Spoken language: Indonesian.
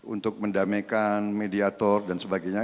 untuk mendamaikan mediator dan sebagainya